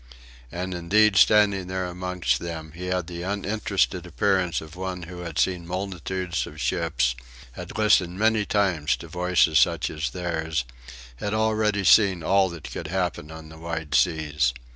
And indeed standing there amongst them, he had the uninterested appearance of one who had seen multitudes of ships, had listened many times to voices such as theirs, had already seen all that could happen on the wide seas.